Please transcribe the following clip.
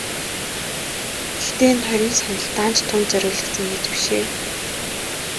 Гэхдээ энэ хоёр сандал даанч түүнд зориулагдсан эд биш ээ.